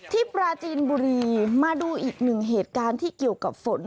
ปราจีนบุรีมาดูอีกหนึ่งเหตุการณ์ที่เกี่ยวกับฝน